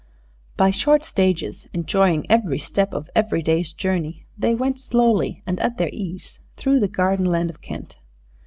By short stages, enjoying every step of every day's journey, they went slowly and at their ease through the garden land of Kent.